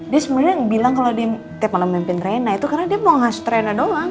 dia sebenernya bilang kalo dia telfon mimpin reina itu karena dia mau ngasut reina doang